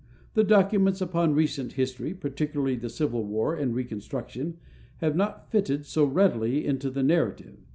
The documents upon recent history, particularly the civil war and reconstruction, have not fitted so readily into the narrative.